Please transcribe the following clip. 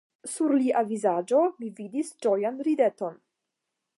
Sur lia vizaĝo mi vidis ĝojan rideton.